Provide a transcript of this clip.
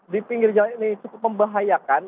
di pinggir jalan ini cukup membahayakan